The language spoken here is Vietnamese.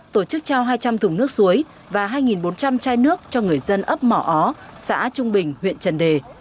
tổ chức trao hai trăm linh thùng nước suối và hai bốn trăm linh chai nước cho người dân ấp mỏ ó xã trung bình huyện trần đề